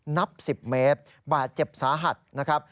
นับ๑๐เมตรบาดเจ็บสาหัสนะครับ